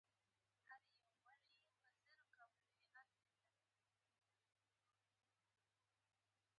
پابندی غرونه د افغانستان د تکنالوژۍ پرمختګ سره تړاو لري.